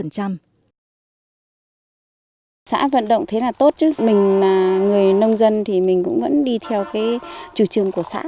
xã vận động thế là tốt chứ mình là người nông dân thì mình cũng vẫn đi theo cái chủ trương của xã